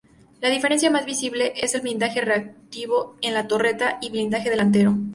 La diferencia más visible es el blindaje reactivo en la torreta y blindaje delantero.